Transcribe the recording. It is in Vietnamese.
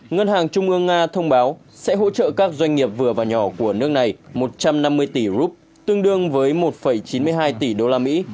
ngân hàng trung ương nga thông báo sẽ hỗ trợ các doanh nghiệp vừa và nhỏ của nước này một trăm năm mươi tỷ rup tương đương với một chín mươi hai tỷ đô la mỹ